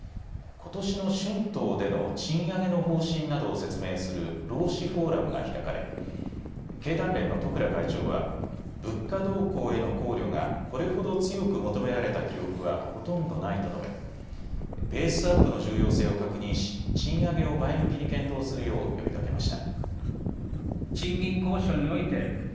ことしの春闘での賃上げの方針などを説明する労使フォーラムが開かれ経団連の十倉会長は物価動向への考慮がこれほど強く求められた記憶はほとんどないと述べベースアップの重要性を確認し賃上げを前向きに検討するよう呼びかけました。